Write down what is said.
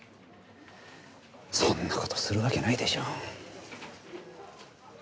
そんな事するわけないでしょう。